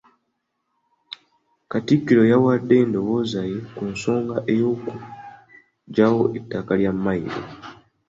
Katikkiro yawadde endowooza ye ku nsonga y'okuggyawo ettaka lya Mmayiro.